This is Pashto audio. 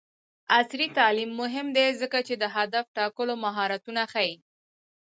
عصري تعلیم مهم دی ځکه چې د هدف ټاکلو مهارتونه ښيي.